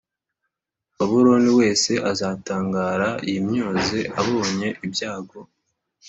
Babuloni wese azatangara yimyoze abonye ibyago